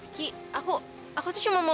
ki aku aku tuh cuma mau